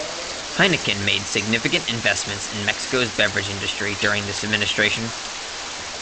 Heineken made significant investments in Mexico's beverage industry during this administration.